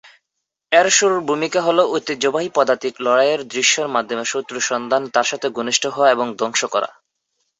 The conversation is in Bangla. এর শুরুর ভূমিকা হল ঐতিহ্যবাহী পদাতিক লড়াইয়ের দৃশ্যের মাধ্যমে শত্রুর সন্ধান, তার সাথে ঘনিষ্ঠ হওয়া এবং ধ্বংস করা।